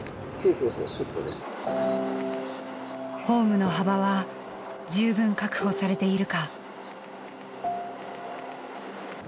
ホームの幅は十分確保されているか。